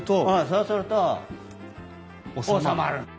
そうすると収まる。